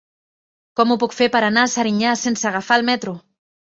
Com ho puc fer per anar a Serinyà sense agafar el metro?